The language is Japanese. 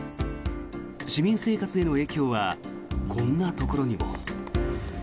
市民生活への影響はこんなところにも。